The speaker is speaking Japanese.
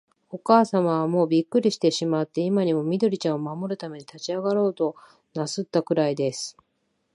おかあさまは、もうびっくりしてしまって、今にも、緑ちゃんを守るために立ちあがろうとなすったくらいです。